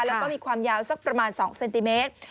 แล้วก็มีความยาวสักประมาณ๒เซนติเมตร